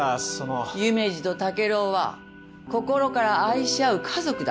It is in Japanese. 夢二と竹郎は心から愛し合う家族だ。